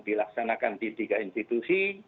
dilaksanakan di tiga institusi